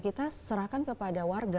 kita serahkan kepada warga